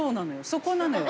そこなのよ。